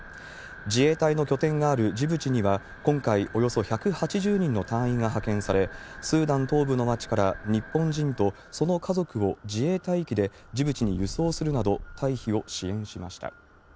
自衛隊の拠点があるジブチには、今回、およそ１８０人の隊員が派遣され、スーダン東部の町から、日本人とその家族を自衛隊機でジブチに輸送するなど、退避を支援